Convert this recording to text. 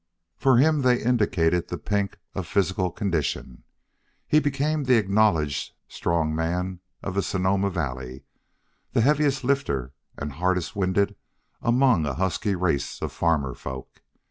For him they indicated the pink of physical condition. He became the acknowledged strong man of Sonoma Valley, the heaviest lifter and hardest winded among a husky race of farmer folk.